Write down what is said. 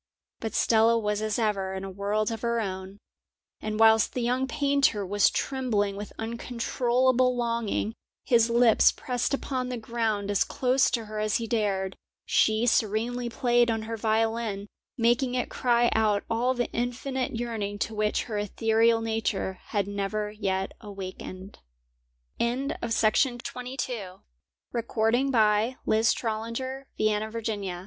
But Stella was as ever in a world of her own; and whilst the young painter was trembling with uncontrollable longing, his lips pressed upon the ground as close to her as he dared, she serenely played on her violin, making it cry out all the infinite yearning to which her ethereal nature had never yet awakened. XXIII And know that the sorrow of sorrows is only a law of his being.